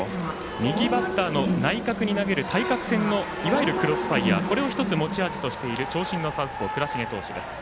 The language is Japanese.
右バッターの内角に投げる対角線のいわゆるクロスファイアー持ち味としている長身のサウスポー、倉重投手です。